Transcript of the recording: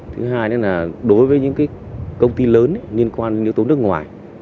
thứ hai là đối với những công ty lớn liên quan đến những tố nước ngoài